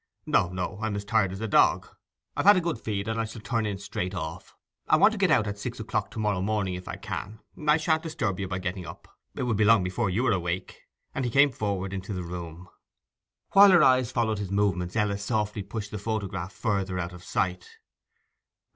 'O no. I'm as tired as a dog. I've had a good feed, and I shall turn in straight off. I want to get out at six o'clock to morrow if I can ... I shan't disturb you by my getting up; it will be long before you are awake.' And he came forward into the room. While her eyes followed his movements, Ella softly pushed the photograph further out of sight.